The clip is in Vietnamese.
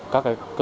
các cơ cơ